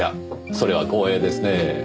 それは光栄ですねぇ。